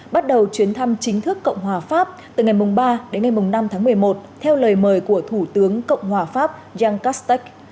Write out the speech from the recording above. bắt đầu chuyến thăm chính thức cộng hòa pháp từ ngày ba đến ngày năm tháng một mươi một theo lời mời của thủ tướng cộng hòa pháp yan caste